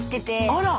あら！